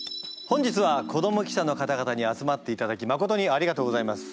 本日は子ども記者の方々に集まっていただきまことにありがとうございます。